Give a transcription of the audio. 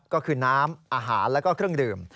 ก็คือน้ำอาหารแล้วก็เครื่องดื่ม